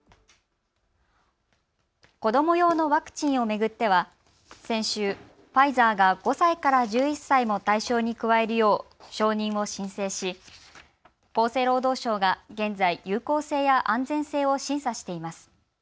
子ども用のワクチンを巡っては先週、ファイザーが５歳から１１歳も対象に加えるよう承認を申請し厚生労働省が現在、有効性や安全性を審査しています。